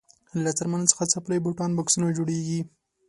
له څرمنې څخه څپلۍ بوټان بکسونه جوړیږي.